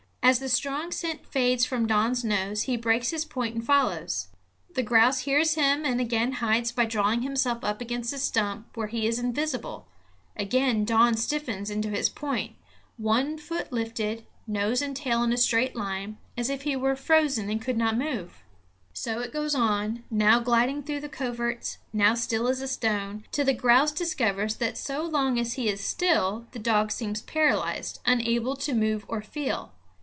As the strong scent fades from Don's nose, he breaks his point and follows. The grouse hears him and again hides by drawing himself up against a stump, where he is invisible; again Don stiffens into his point, one foot lifted, nose and tail in a straight line, as if he were frozen and could not move. So it goes on, now gliding through the coverts, now still as a stone, till the grouse discovers that so long as he is still the dog seems paralyzed, unable to move or feel.